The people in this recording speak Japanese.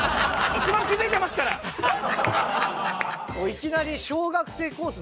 いきなり小学生コース